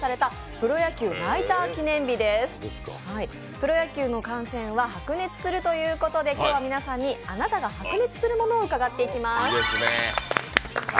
プロ野球の観戦は白熱するということで今日は、皆さんに、あなたが白熱するものを伺っていきます。